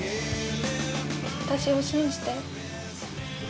私を信じて。